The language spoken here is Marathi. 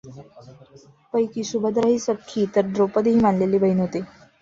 पैकी सुभद्रा ही सख्खी, तर द्रौपदी ही मानलेली बहीण होती.